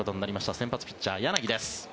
先発ピッチャーは柳です。